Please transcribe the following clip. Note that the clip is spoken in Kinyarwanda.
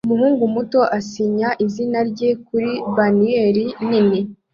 Umuhungu muto asinya izina rye kuri banneri nini